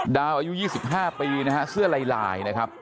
อายุ๒๕ปีนะฮะเสื้อลายนะครับ